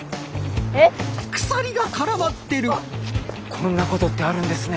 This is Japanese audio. こんなことってあるんですね。